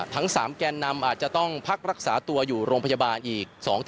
ทั้ง๓แกนนำอาจจะต้องพักรักษาตัวอยู่โรงพยาบาลอีก